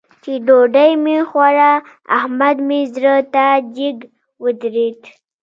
چې ډوډۍ مې خوړه؛ احمد مې زړه ته جګ ودرېد.